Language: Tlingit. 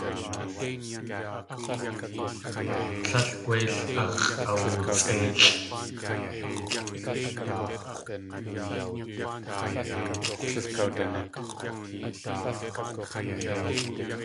Tlél gwéil ax̲ʼawusʼéilʼ.